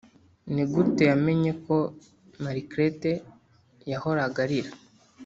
nigute yamenya ko marclette yahoraga arira